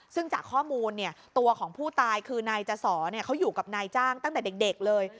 ซึ่งจากข้อมูลตัวของผู้ตายคือนายจสอเขาอยู่กับนายจ้างตั้งแต่เด็กเลย